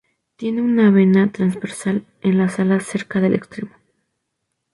Tienen una vena transversal en las alas cerca del extremo.